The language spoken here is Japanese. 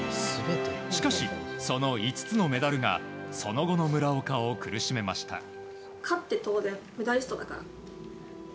しかし、その５つのメダルがその後の村岡を苦しめました。